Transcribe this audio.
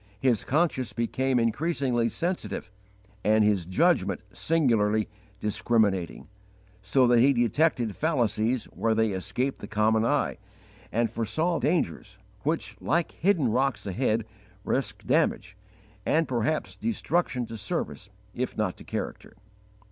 His conscience became increasingly sensitive and his judgment singularly discriminating, so that he detected fallacies where they escape the common eye, and foresaw dangers which, like hidden rocks ahead, risk damage and, perhaps, destruction to service if not to character.